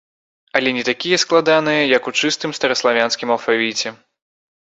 Але не такія складаныя, як у чыстым стараславянскім алфавіце.